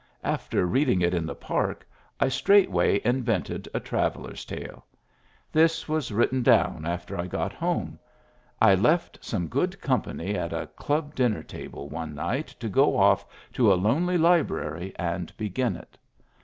After reading it in the Park I straightway invented a traveller's tale. This was written down after I got home — I left some good company at a club dinner table one night to go off to a lonely library and begin it.